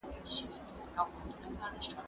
زه جواب نه ورکوم!؟